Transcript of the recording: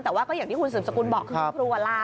แต่ว่าก็อย่างที่คุณสืบสกุลบอกคือคุณครูลา